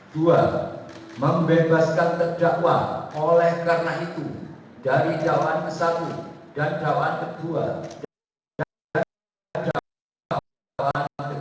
dua membebaskan terdakwa oleh karena itu dari dakwaan yang satu dan dakwaan yang kedua dan dakwaan yang ketiga jaksa penutup umum tersebut